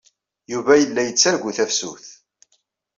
Yuba yella yettargu tafsut.